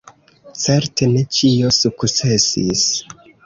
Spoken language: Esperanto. Certe ne ĉio sukcesis.